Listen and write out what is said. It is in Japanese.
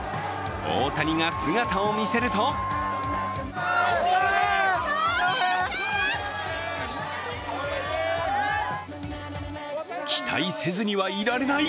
大谷が姿を見せると期待せずにはいられない！